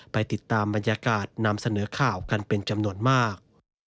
ไปติดตามบรรยากาศนำเสนอข่าวกันเป็นจำนวนมาก